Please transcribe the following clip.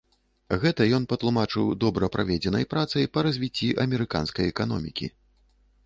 Гэта ён патлумачыў добра праведзенай працай па развіцці амерыканскай эканомікі.